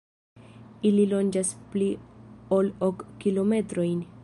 Ili longas pli ol ok kilometrojn.